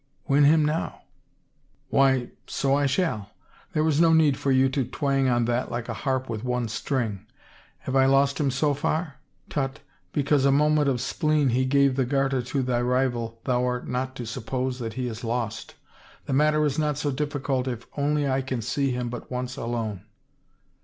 " Win him now." " Why — so I shall. There is no need for you to twang on that like a harp with one string. Have I lost him so far? Tut, because in a moment of spleen he gave the garter to thy rival thou art not to suppose that he is lost. The matter is not so difficult if only I can see him but once alone.